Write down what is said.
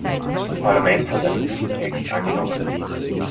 Das Parlament hat einen guten Text angenommen.